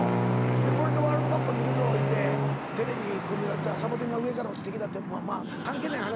これでワールドカップ見るぞ言うてテレビ組み立ててたらサボテンが上から落ちてきたって関係ない話やねんけどもやな。